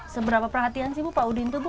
seberapa perhatian sih bu pak udin itu bu